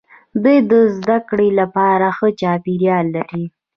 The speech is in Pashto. دوی د زده کړې لپاره ښه چاپیریال لري.